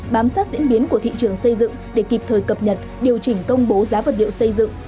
bám sát diễn biến của thị trường xây dựng để kịp thời cập nhật điều chỉnh công bố giá vật liệu xây dựng